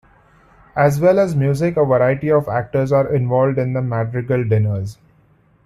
As well as music, a variety of actors are involved in the madrigal dinners.